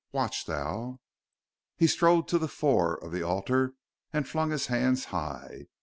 Watch thou...." He strode to the fore of the altar and flung his hands high.